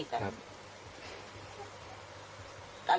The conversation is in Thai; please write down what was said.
เสียใจ